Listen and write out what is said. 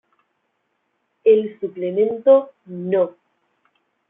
El Suplemento "No!